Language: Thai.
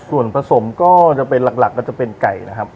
ส่วนผสมก็จะเป็นหลักก็จะเป็นไก่นะครับ